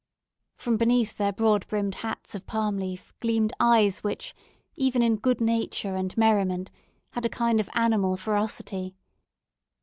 From beneath their broad brimmed hats of palm leaf, gleamed eyes which, even in good nature and merriment, had a kind of animal ferocity.